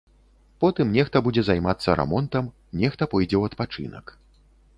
Потым нехта будзе займацца рамонтам, нехта пойдзе ў адпачынак.